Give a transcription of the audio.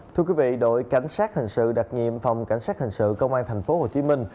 thưa quý vị đội cảnh sát hình sự đặc nhiệm phòng cảnh sát hình sự công an thành phố hồ chí minh